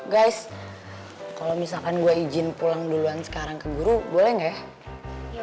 guys kalau misalkan gue izin pulang duluan sekarang ke guru boleh nggak ya